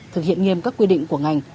thực hiện nghiêm các quy định của ngành